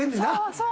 そう。